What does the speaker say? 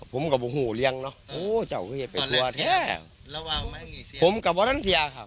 ผมก็โหเรียงเนอะโอ้เจ้าเวียไปทัวร์แท้ระวังไหมผมก็วัดนั้นแท้ครับ